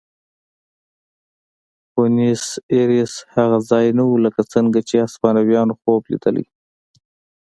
بونیس ایرس هغه ځای نه و لکه څنګه چې هسپانویانو خوب لیدلی.